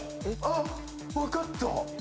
あっ分かった！